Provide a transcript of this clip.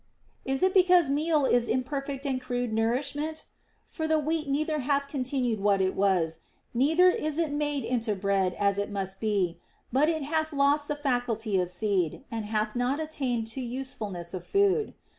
Is it because meal is imperfect and crude nourishment ? For the wheat neither hath continued what it was, neither is it made into bread as it must be ; but it hath lost the faculty of seed, and hath not attained to use fulness for food.